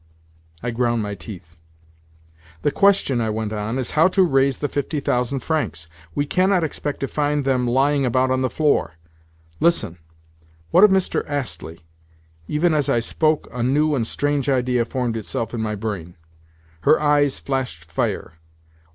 I ground my teeth. "The question," I went on, "is how to raise the fifty thousand francs. We cannot expect to find them lying about on the floor. Listen. What of Mr. Astley?" Even as I spoke a new and strange idea formed itself in my brain. Her eyes flashed fire.